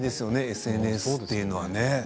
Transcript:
ＳＮＳというのはね。